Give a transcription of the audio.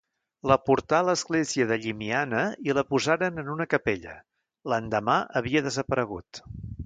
La portà a l'església de Llimiana, i la posaren en una capella; l'endemà, havia desaparegut.